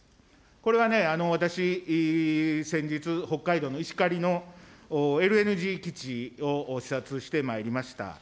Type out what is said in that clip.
これは私、先日、北海道の石狩のＬＮＧ基地を視察してまいりました。